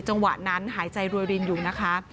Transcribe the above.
จังหวะนั้นหายใจรวยรินอยู่นะคะ